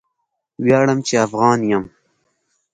ویاړم چې افغان یم!